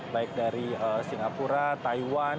baik dari singapura taiwan